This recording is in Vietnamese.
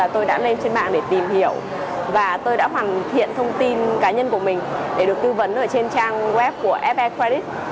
tôi đã lên mạng để tìm hiểu và tôi đã hoàn thiện thông tin cá nhân của mình để được tư vấn ở trên trang web của ff credit